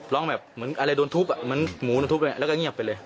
ร้องแบบเหมือนอะไรโดนทุบเหมือนหมูโดนทุบด้วยแล้วก็เงียบไปเลย